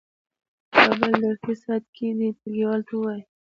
په بل درسي ساعت کې دې ټولګیوالو ته ووایي.